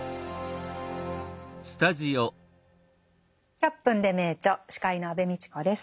「１００分ｄｅ名著」司会の安部みちこです。